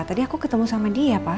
tadi aku ketemu sama dia pak